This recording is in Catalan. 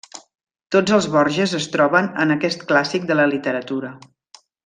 Tots els Borges es troben en aquest clàssic de la literatura.